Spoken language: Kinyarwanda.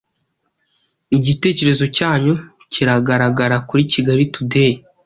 igitekerezo cyanyu kiragaragara kuri kigali today